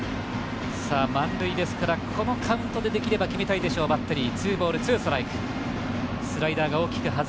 満塁ですからこのカウントで、できれば決めたいでしょう、バッテリー。